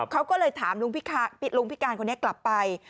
เขาก็เลยถามลุงพิการคนนี้กลับไป